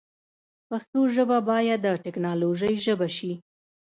پښتو ژبه باید د تکنالوژۍ ژبه شی